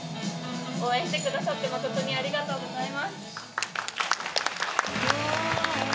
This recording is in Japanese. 応援してくださって誠にありがとうございます。